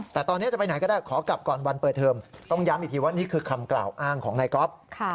แต่ตอนนี้จะไปไหนก็ได้ขอกลับก่อนวันเปิดเทอมต้องย้ำอีกทีว่านี่คือคำกล่าวอ้างของนายก๊อฟ